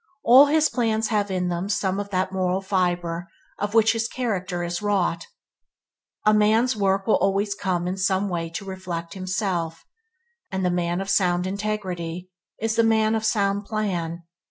All his plans have in them some of that moral fiber of which his character is wrought. A man's work will always in some way reflect himself, and the man of sound integrity is the man of sound plan.